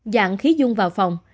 dạng khí dung vào phòng